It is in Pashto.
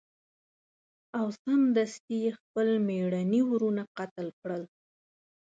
او سمدستي یې خپل میرني وروڼه قتل کړل.